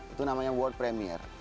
itu namanya world premiere